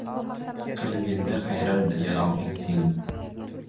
Qirginda qayraldi yarog‘ing sening!